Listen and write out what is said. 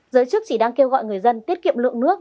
giới chức chỉ đang kêu gọi người dân tiết kiệm lượng nước